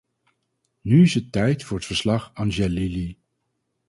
Nu is het tijd voor het verslag-Angelilli.